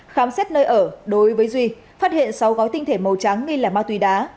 khám xét nơi ở đối với duy phát hiện sáu gói tinh thể màu trắng nghi là ma túy đá